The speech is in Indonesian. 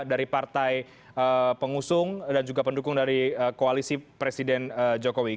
dari partai pengusung dan juga pendukung dari koalisi presiden jokowi